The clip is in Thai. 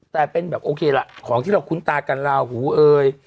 แต่เป็นแบบโอเคล่ะของที่เราคุ้นตากันลาหูเอ่ย